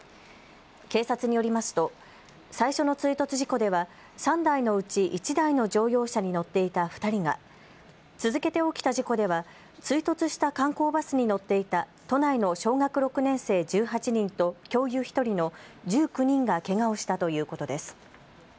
警察によりますと最初の追突事故では３台のうち１台の乗用車に乗っていた２人が、続けて起きた事故では追突した観光バスに乗っていた都内の小学６年生１８人と教諭１人の１９人がけがをしたということです。